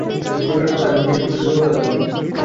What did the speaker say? দিবারাত্র তাহারা নিজেদের স্বরূপের কথা বলুক।